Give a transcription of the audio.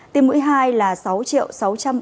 tiêm mũi hai là sáu sáu trăm bốn mươi sáu mươi một liều